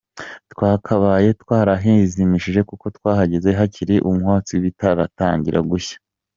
Twakabaye twarahazimije kuko twahageze hakiri umwotsi bitaratangira gushya.